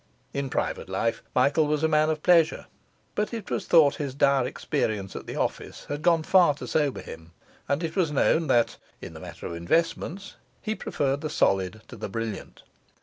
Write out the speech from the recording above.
In private life Michael was a man of pleasure; but it was thought his dire experience at the office had gone far to sober him, and it was known that (in the matter of investments) he preferred the solid to the brilliant.